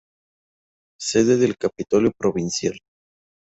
Sede del Capitolio Provincial.